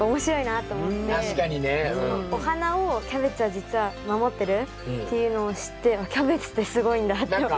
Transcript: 確かにね。お花をキャベツは実は守ってるっていうのを知ってキャベツってすごいんだって思いました。